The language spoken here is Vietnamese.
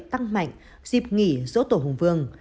tăng mạnh dịp nghỉ dỗ tổ hồng vương